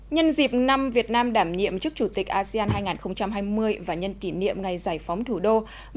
nhân dịp năm việt nam đảm nhiệm chức chủ tịch asean hai nghìn hai mươi và nhân kỷ niệm ngày giải phóng thủ đô